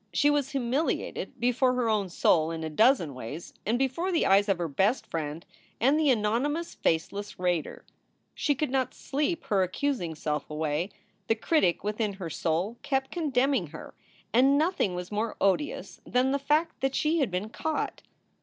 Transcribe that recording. She was humiliated before her own soul in a dozen ways and before the eyes of her best friend and the anonymous, faceless raider. She could not sleep her accusing self away. The critic within her soul kept condemning her, and nothing was more odious than the fact that she had been caught.